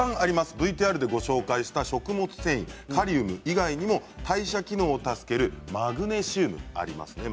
ＶＴＲでご紹介した食物繊維カリウム以外にも代謝機能を助けるマグネシウムがあります。